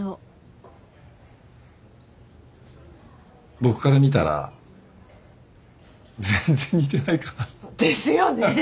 僕から見たら全然似てないかな。ですよね。